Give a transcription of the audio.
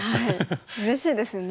うれしいですよね